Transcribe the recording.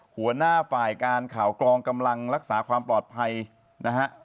หัวหน้าฝ่ายการข่าวกรองกำลังรักษาความปลอดภัยนะฮะ